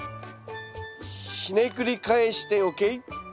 ひねくり返してＯＫ？